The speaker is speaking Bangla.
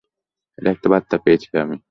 একটা বার্তা পেয়েছি আমি।